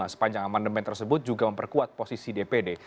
sepanjang amandemen tersebut juga memperkuat posisi dpd